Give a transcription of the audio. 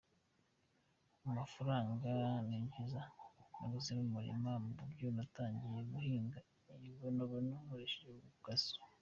Mu mafaranga ninjiza naguzemo umurima ku buryo natangiye guhinga ibibonobono nkoresha mu kazi.